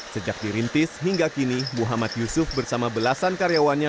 sejak dirintis hingga kini muhammad yusuf bersama belasan karyawannya